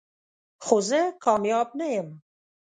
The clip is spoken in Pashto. خو زه کامیاب نه یم .